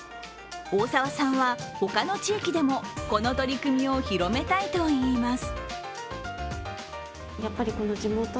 大澤さんは、他の地域でもこの取り組みを広めたいといいます。